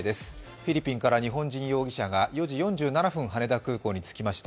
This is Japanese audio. フィリピンから日本人容疑者が午前４時３７分に到着しました。